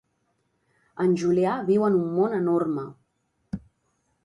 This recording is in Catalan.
En Julià viu en un món enorme.